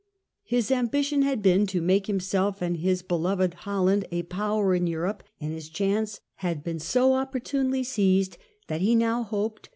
His ambition had been to make himself and his be loved Holland a power in Europe, and his chance had been so opportunely seized that he now hoped